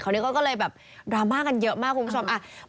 เขานี่ก็เลยแบบระม้าเรื่องเยอะมากคุณผู้ชม